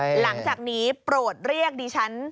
หลังจากนี้โปรดเรียกดิฉัน